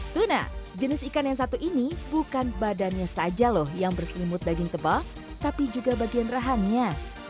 tuna jenis ikan yang satu ini bukan badannya saja loh yang berselimut daging tebal tapi juga bagian rahannya